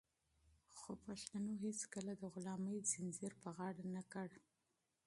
خو پښتنو هيڅکله د غلامۍ زنځير په غاړه نه کړ.